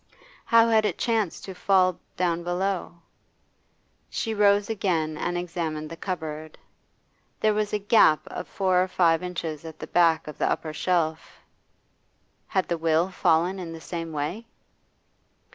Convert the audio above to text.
How had it chanced to fall down below? She rose again and examined the cupboard; there was a gap of four or five inches at the back of the upper shelf. Had the will fallen in the same way?